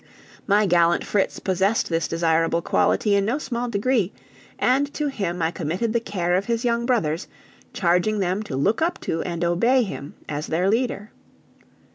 My gallant Fritz possessed this desirable quality in no small degree, and to him I committed the care of his young brothers, charging them to look up to and obey him as their leader.